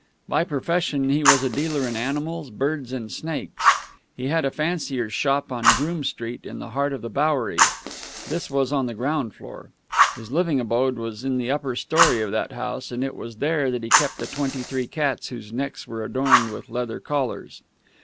By profession he was a dealer in animals, birds, and snakes. He had a fancier's shop on Groome Street, in the heart of the Bowery. This was on the ground floor. His living abode was in the upper story of that house, and it was there that he kept the twenty three cats whose necks were adorned with leather collars.